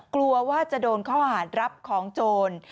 กลัวว่าจะโดนข้อหารับของโจร